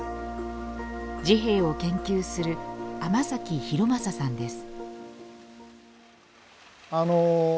治兵衛を研究する尼崎博正さんです。